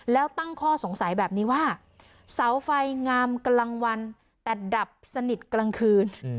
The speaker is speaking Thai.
แล้วตั้งข้อสงสัยแบบนี้ว่าเสาไฟงามกลางวันแต่ดับสนิทกลางคืน